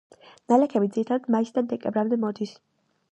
ნალექები ძირითადად მაისიდან დეკემბრამდე მოდის.